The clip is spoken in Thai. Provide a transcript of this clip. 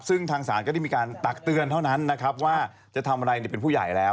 ซึ่งทางศาลก็ได้มีการตักเตือนเท่านั้นนะครับว่าจะทำอะไรเป็นผู้ใหญ่แล้ว